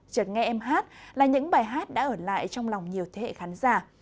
chật nghe em hát là những bài hát đã ở lại trong lòng nhiều thế hệ khán giả